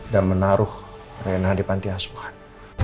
dan menaruh rena di pantai asuhan